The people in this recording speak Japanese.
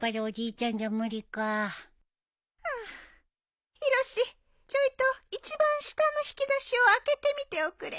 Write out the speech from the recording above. ちょいと一番下の引き出しを開けてみておくれ。